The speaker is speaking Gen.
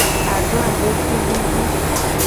Agla desi vivi.